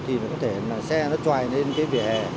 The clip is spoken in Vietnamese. thì có thể là xe nó tròi lên cái vỉa hè